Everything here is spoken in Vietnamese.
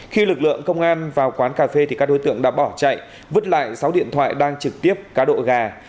khi lực lượng công an vào quán cà phê thì các đối tượng đã bỏ chạy vứt lại sáu điện thoại đang trực tiếp cá độ gà